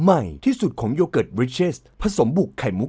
มี่ยังสุดของย่านสุ่มสู๋นั่งวะ